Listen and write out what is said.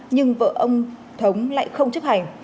nhưng vợ ông thống lại không chấp hành